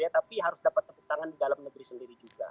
tapi harus dapat tepuk tangan di dalam negeri sendiri juga